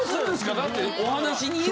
だってお話にいる。